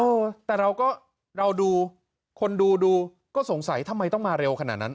เออแต่เราก็เราดูคนดูดูก็สงสัยทำไมต้องมาเร็วขนาดนั้น